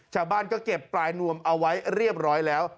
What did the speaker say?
ชาวบ้านก็เก็บปลายนวมเอาไว้เรียบร้อยแล้ว